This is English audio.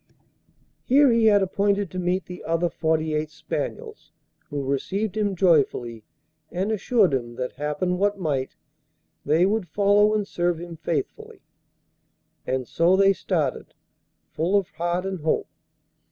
Here he had appointed to meet the other forty eight spaniels, who received him joyfully, and assured him that, happen what might, they would follow and serve him faithfully. And so they started, full of heart and hope.